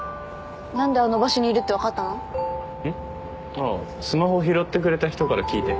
ああスマホ拾ってくれた人から聞いて。